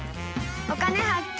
「お金発見」。